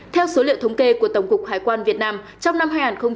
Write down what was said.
theo số liệu thống kê của tổng cục hải quan việt nam trong năm hai nghìn một mươi chín